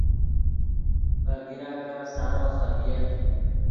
ڤے بیراکف سارو خبۡیت